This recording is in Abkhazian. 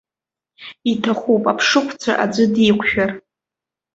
Иҭахуп аԥшыхәцәа аӡәы диқәшәар.